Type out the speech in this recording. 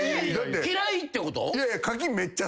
嫌いってこと？